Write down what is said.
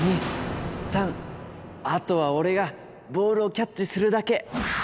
あとは俺がボールをキャッチするだけ。